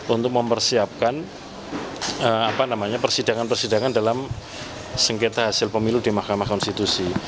untuk mempersiapkan persidangan persidangan dalam sengketa hasil pemilu di mahkamah konstitusi